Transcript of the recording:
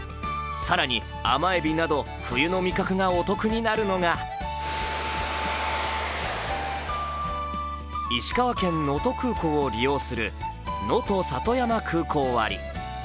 更に甘えびなど冬の味覚がお得になるのが石川県能登空港を利用するのと里山空港割。